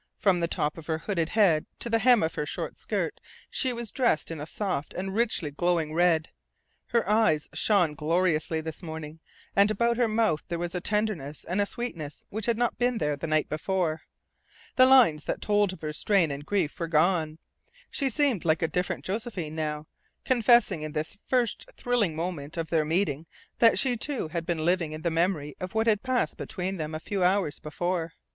From the top of her hooded head to the hem of her short skirt she was dressed in a soft and richly glowing red. Her eyes shone gloriously this morning, and about her mouth there was a tenderness and a sweetness which had not been there the night before. The lines that told of her strain and grief were gone. She seemed like a different Josephine now, confessing in this first thrilling moment of their meeting that she, too, had been living in the memory of what had passed between them a few hours before.